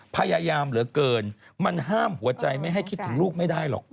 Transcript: พยายามเหลือเกินมันห้ามหัวใจไม่ให้คิดถึงลูกไม่ได้หรอก